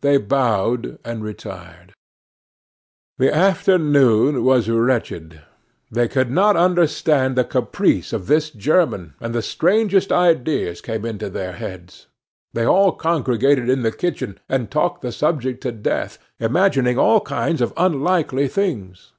They bowed, and retired. The afternoon was wretched. They could not understand the caprice of this German, and the strangest ideas came into their heads. They all congregated in the kitchen, and talked the subject to death, imagining all kinds of unlikely things.